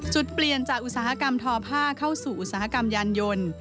จุดเปลี่ยนจากอุตสาหกรรมทอผ้าเข้าสู่อุตสาหกรรมยานยนต์